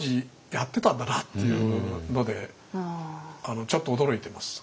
やってたんだなっていうのでちょっと驚いてます。